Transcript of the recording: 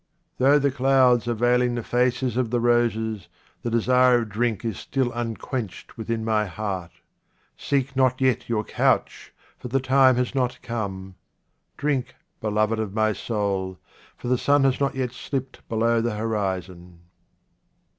Though the clouds are veiling the faces of the roses, the desire of drink is still unquenched 86 QUATRAINS OF OMAR KHAYYAM within my heart. Seek not yet your couch, for the time has not come. Drink, beloved of my soul, for the sun has not yet slipped below the horizon.